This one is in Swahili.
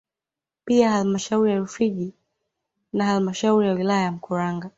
Pia halmashauri ya wilaya ya Rufiji na halmashauri ya wilaya ya Mkuranga